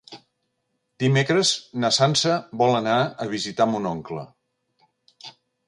Dimecres na Sança vol anar a visitar mon oncle.